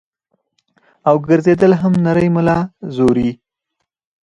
او ګرځېدل هم نرۍ ملا زوري -